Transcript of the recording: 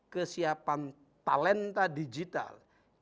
kesiapan talenta digital